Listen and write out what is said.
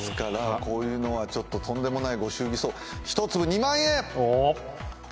こういうのはとんでもないご祝儀相場、１粒２万円！